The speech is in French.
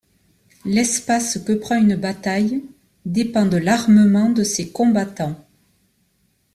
L'espace que prend une bataille dépend de l'armement de ses combattants.